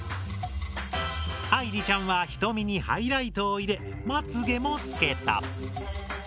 愛莉ちゃんは瞳にハイライトを入れまつ毛も付けた。